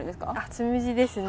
つむじですね。